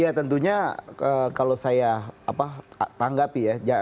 ya tentunya kalau saya tanggapi ya